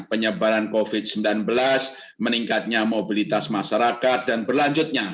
penyebaran covid sembilan belas meningkatnya mobilitas masyarakat dan berlanjutnya